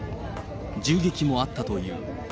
銃撃もあったという。